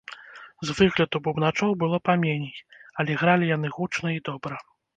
З выгляду бубначоў было паменей, але гралі яны гучна і добра.